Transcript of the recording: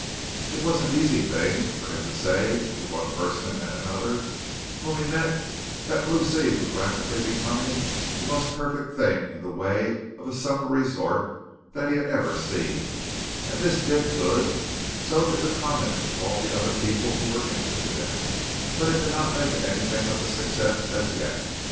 It was an easy thing for him to say to one person and another whom he met that Blue Sea was rapidly becoming the most perfect thing in the way of a summer resort that he had ever seen, and this did good; so did the comments of all the other people who were interested in it, but it did not make it anything of a success as yet.